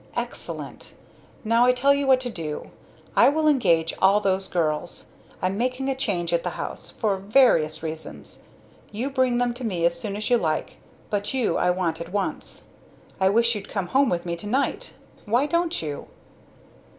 "Excellent! Now, I tell you what to do. I will engage all those girls. I'm making a change at the house, for various reasons. You bring them to me as soon as you like; but you I want at once. I wish you'd come home with me to night! Why don't you?"